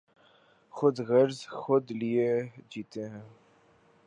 خود غرض خود لئے جیتے ہیں۔